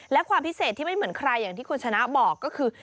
และความพิเศษที่ไม่เหมือนใครอย่างที่คุณชนะบอกก็คือ